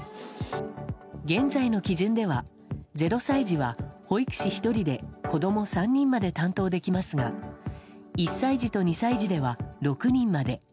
現在の基準では０歳児は保育士１人で子供３人まで担当できますが１歳児と２歳児では６人まで。